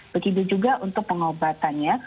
begitu juga untuk pengobatannya